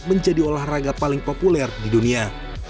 menjadi olahraga paling populer di dunia